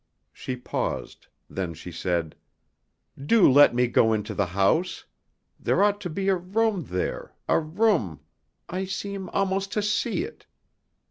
She paused; then she said: "Do let me go into the house. There ought to be a room there a room I seem almost to see it.